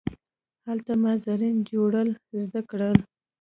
هلته ما زین جوړول زده کړل.